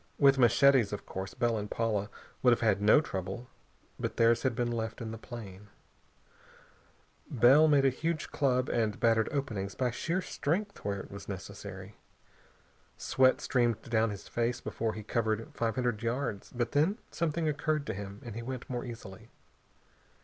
With machetes, of course, Bell and Paula would have had no trouble, but theirs had been left in the plane. Bell made a huge club and battered openings by sheer strength where it was necessary. Sweat streamed down his face before he had covered five hundred yards, but then something occurred to him and he went more easily.